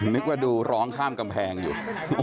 นึกว่าดูร้องข้ามกำแพงอยู่